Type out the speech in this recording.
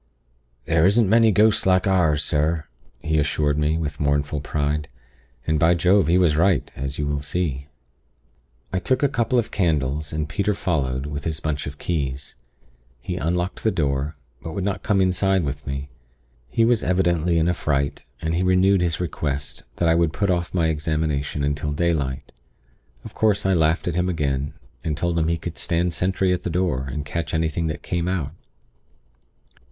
"'There isn't many ghosts like ours, sir,' he assured me, with mournful pride. And, by Jove! he was right, as you will see. "I took a couple of candles, and Peter followed with his bunch of keys. He unlocked the door; but would not come inside with me. He was evidently in a fright, and he renewed his request that I would put off my examination until daylight. Of course, I laughed at him again, and told him he could stand sentry at the door, and catch anything that came out.